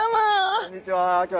こんにちは。